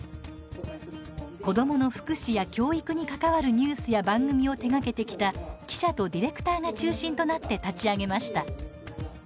子どもの福祉や教育に関わるニュースや番組を手がけてきた記者とディレクターが中心となって立ち上げました。